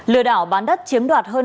lừa đảo bán đất chiếm đoạt hơn